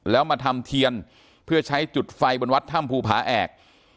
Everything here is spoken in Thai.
แล้วมาทำเทียนเพื่อใช้จุดไฟบนวัดถ้ำภูผาแอก